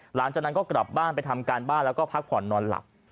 หลังจากนั้นก็กลับบ้านไปทำการบ้านแล้วก็พักผ่อนนอนหลับ